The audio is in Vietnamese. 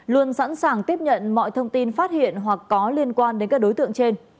luôn sẵn sàng tiếp nhận mọi thông tin phát hiện hoặc có liên quan đến các đối tượng trên